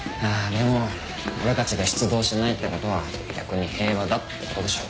でも俺たちが出動しないってことは逆に平和だってことでしょ。